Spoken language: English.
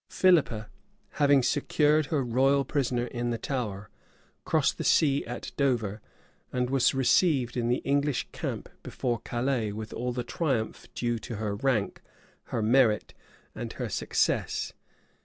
[*] Philippa, having secured her royal prisoner in the Tower,[] crossed the sea at Dover; and was received in the English camp before Calais with all the triumph due to her rank, her merit, and her success.